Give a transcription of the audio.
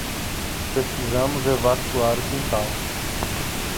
Precisamos evacuar o quintal.